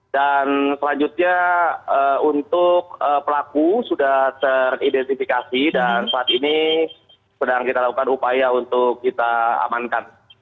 dan selanjutnya untuk pelaku sudah teridentifikasi dan saat ini sedang kita lakukan upaya untuk kita amankan